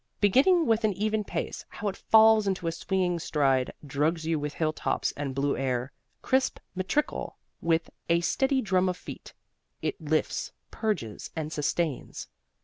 Beginning with an even pace, how it falls into a swinging stride, drugs you with hilltops and blue air! Crisp, metrical, with a steady drum of feet, it lifts, purges and sustains.